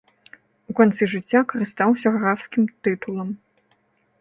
У канцы жыцця карыстаўся графскім тытулам.